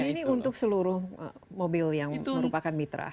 dan ini untuk seluruh mobil yang merupakan mitra